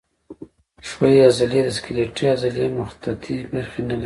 ښویې عضلې د سکلیټي عضلې مخططې برخې نه لري.